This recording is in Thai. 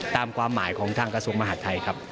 ความหมายของทางกระทรวงมหาดไทยครับ